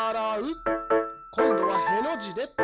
こんどは「へ」のじで。